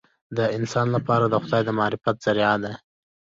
د انسان لپاره د خدای د معرفت ذریعه ده.